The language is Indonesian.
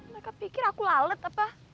mereka pikir aku lalet apa